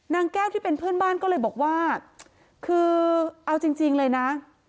นางแก้วที่เป็นเพื่อนบ้านก็เลยบอกว่าคือเอาจริงเลยนะ